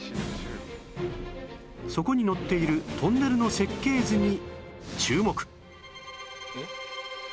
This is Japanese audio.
そこに載っているトンネルの設計図に注目